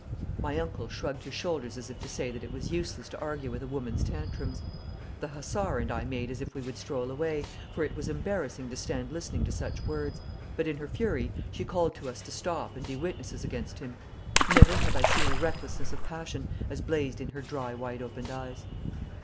My uncle shrugged his shoulders as if to say that it was useless to argue with a woman's tantrums. The hussar and I made as if we would stroll away, for it was embarrassing to stand listening to such words, but in her fury she called to us to stop and be witnesses against him. Never have I seen such a recklessness of passion as blazed in her dry wide opened eyes.